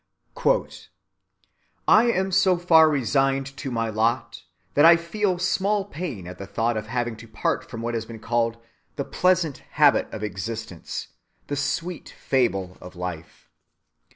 "I am so far resigned to my lot that I feel small pain at the thought of having to part from what has been called the pleasant habit of existence, the sweet fable of life.